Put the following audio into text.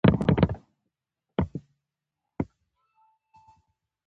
راځي پښتنو له دغه نه وروسته لاس سره یو کړو او تعلیم وکړو.